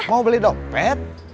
mau beli dompet